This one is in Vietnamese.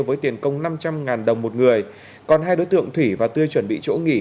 với tiền công năm trăm linh đồng một người còn hai đối tượng thủy và tươi chuẩn bị chỗ nghỉ